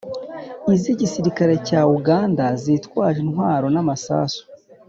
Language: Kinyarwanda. iz'igisirikari cya uganda, zitwaje intwaro n'amasasu